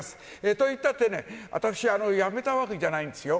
と言ったってね、私はやめたわけじゃないんですよ。